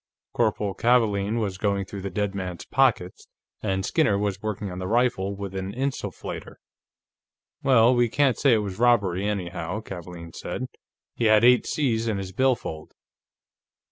Corporal Kavaalen was going through the dead man's pockets, and Skinner was working on the rifle with an insufflator. "Well, we can't say it was robbery, anyhow," Kavaalen said. "He had eight C's in his billfold."